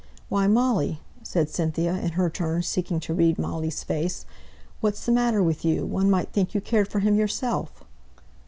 "Why, Molly!" said Cynthia, in her turn seeking to read Molly's face, "what's the matter with you? One might think you cared for him yourself."